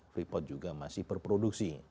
freeport juga masih berproduksi